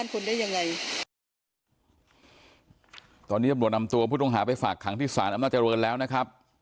คุณผู้ตรงหาไปฝากขังที่ศาลอำนาจรวรณ์แล้วนะครับ